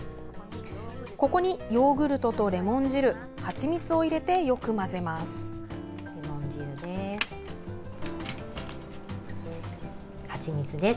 ここにヨーグルトとレモン汁はちみつを入れてよく混ぜます。